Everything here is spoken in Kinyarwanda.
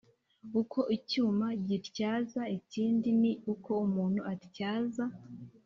Uko icyuma gityaza ikindi Ni ko umuntu atyaza